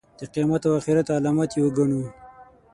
د قیامت او آخرت علامت یې وګڼو.